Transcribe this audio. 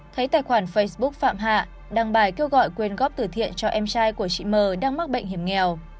thấy tài khoản facebook phạm hạ đăng bài kêu gọi quyên góp tử thiện cho em trai của chị m đang mắc bệnh hiểm nghèo